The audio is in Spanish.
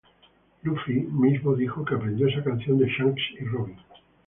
Luffy mismo dijo que aprendió esa canción de Shanks y Robin.